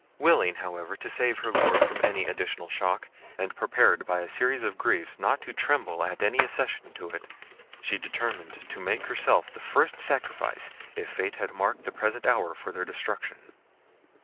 Willing, however, to save her Lord from any additional shock, and prepared by a series of griefs not to tremble at any accession to it, she determined to make herself the first sacrifice, if fate had marked the present hour for their destruction.